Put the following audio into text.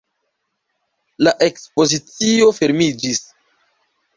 La ekspozicio fermiĝis.